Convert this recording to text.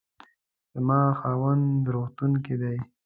زما خاوند روغتون کې دی